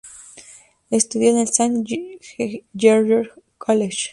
Estudió en el Saint George's College.